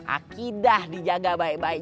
akidah dijaga baik baik